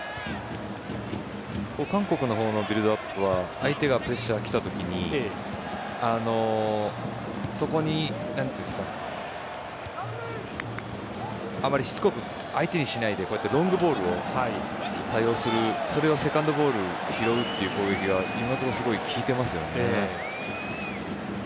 韓国の方のビルドアップは相手がプレッシャー来たときにそこにあまりしつこく相手にしないでロングボールを多用するそれをセカンドボール拾うという攻撃が今のところ、効いていますよね。